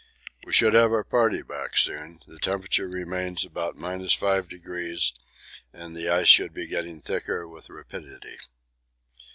We should have our party back soon. The temperature remains about 5° and the ice should be getting thicker with rapidity.